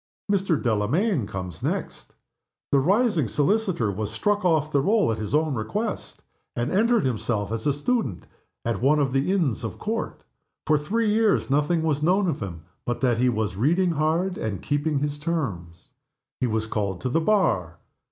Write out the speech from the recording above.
Mr. Delamayn comes next. The rising solicitor was struck off the roll, at his own request and entered himself as a student at one of the Inns of Court. For three years nothing was known of him but that he was reading hard and keeping his terms. He was called to the Bar.